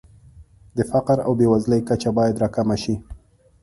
د فقر او بېوزلۍ کچه باید راکمه شي.